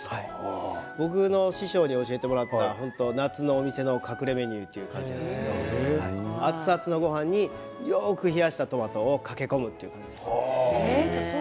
僕の師匠に教えてもらった夏のお店の隠れメニューっていう感じなんですけれども熱々のごはんによく冷やしたトマトをかき込むということです。